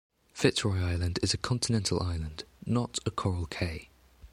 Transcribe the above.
Fitzroy Island is a continental island, not a coral cay.